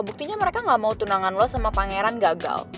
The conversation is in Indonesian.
buktinya mereka gak mau tunangan lo sama pangeran gagal